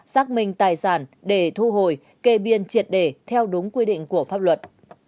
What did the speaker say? xác minh tài sản để thu hồi kê biên triệt để theo đúng quy định của pháp luật